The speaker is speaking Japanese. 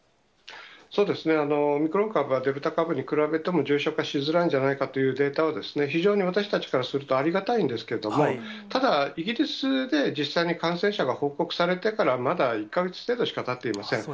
そうですね、オミクロン株はデルタ株に比べても重症化しづらいんじゃないかというデータは、非常に私たちからするとありがたいんですけれども、ただ、イギリスで実際に感染者が報告されてから、まだ１か月程度しかたっていません。